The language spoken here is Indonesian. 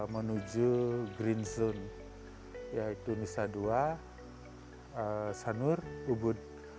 menuju green zone yaitu nusa dua sanur ubud